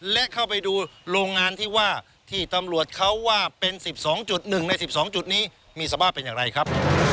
และเข้าไปดูโรงงานที่ว่าที่ตำรวจเขาว่าเป็น๑๒๑ใน๑๒จุดนี้มีสภาพเป็นอย่างไรครับ